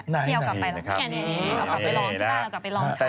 ที่เอากลับไปลองใช้